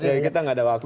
kita gak ada waktu